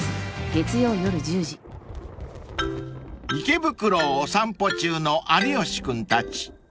［池袋をお散歩中の有吉君たち］